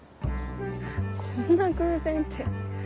こんな偶然って。